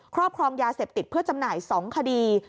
ครอบครองยาเสพติดเพื่อจำหน่าย๒คดี